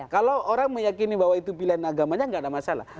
kalau orang meyakini bahwa itu pilihan agamanya nggak ada masalah